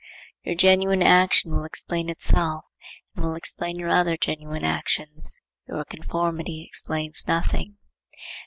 Your genuine action will explain itself and will explain your other genuine actions. Your conformity explains nothing.